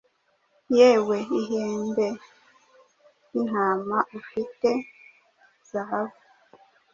yewe ihembe ry'intama ufite zahabu!